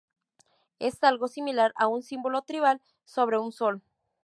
Es algo similar a un símbolo tribal sobre un sol.